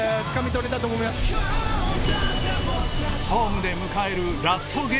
ホームで迎えるラスト